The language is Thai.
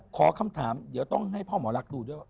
ขอคำถามเดี๋ยวต้องให้พ่อหมอรักดูด้วยว่า